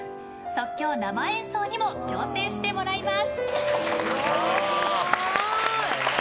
即興生演奏にも挑戦してもらいます。